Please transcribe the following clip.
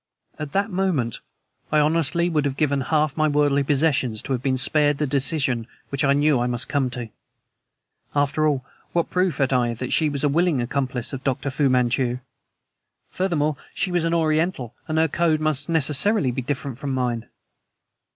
At that moment I honestly would have given half of my worldly possessions to have been spared the decision which I knew I must come to. After all, what proof had I that she was a willing accomplice of Dr. Fu Manchu? Furthermore, she was an Oriental, and her code must necessarily be different from mine.